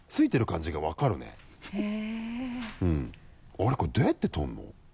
あれこれどうやって取るの？